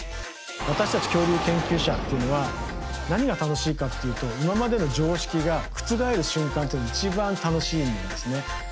私たち恐竜研究者っていうのは何が楽しいかっていうと今までの常識が覆る瞬間っていうのが一番楽しいんですね。